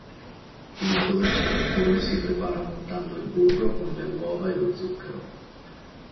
Il dolce mattone si prepara montando il burro con le uova e lo zucchero.